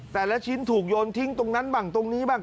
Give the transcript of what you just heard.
แต่ละชิ้นถูกโยนทิ้งตรงนั้นบ้างตรงนี้บ้าง